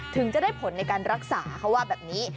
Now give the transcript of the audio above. ถึงจะได้ผลในการรักษาเขาว่าแบบนี้